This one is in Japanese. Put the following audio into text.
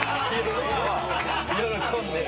喜んでる。